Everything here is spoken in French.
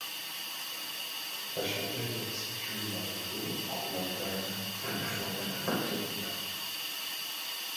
La chapelle, située dans la tour orientale, est de forme octogonale.